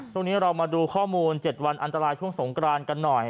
เรามาดูข้อมูล๗วันอันตรายช่วงสงกรานกันหน่อย